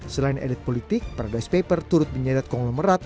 selain edit politik paradise papers turut menyedat konglomerat